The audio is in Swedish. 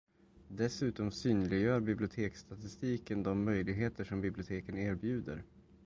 Dessutom synliggör biblioteksstatistiken de möjligheter som biblioteken erbjuder.